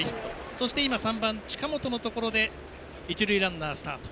そして３番近本のところで一塁ランナー、スタート。